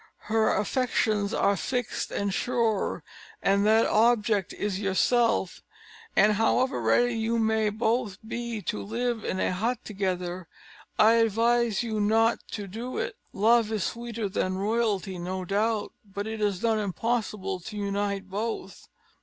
Her affections are fixed and sure; and their object is yourself And however ready you may both be to live in a hut together, I advise you not to do it. Love is sweeter than royalty, no doubt, but it is not impossible to unite both."